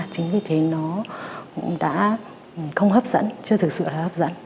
chính vì thế nó cũng đã không hấp dẫn chưa thực sự là hấp dẫn